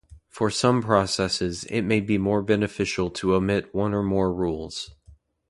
For some processes, it may be beneficial to omit one or more rules.